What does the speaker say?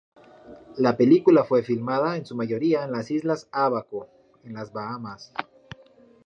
La película fue filmada, en su mayoría, en las islas Ábaco, en las Bahamas.